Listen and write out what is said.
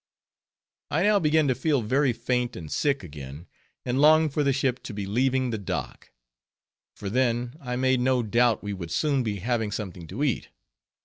_ I now began to feel very faint and sick again, and longed for the ship to be leaving the dock; for then I made no doubt we would soon be having something to eat.